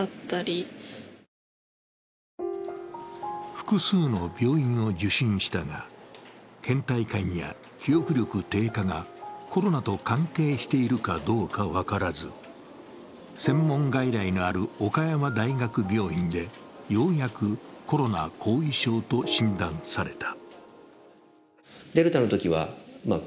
複数の病院を受診したが、けん怠感や記憶力低下がコロナと関係しているかどうか分からず、専門外来がある岡山大学病院でようやくコロナ後遺症と診断された。